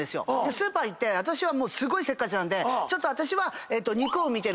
スーパー行って私はすごいせっかちなんで私は。